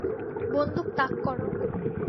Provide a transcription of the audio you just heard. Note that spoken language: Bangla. বন্দুক তাক করো।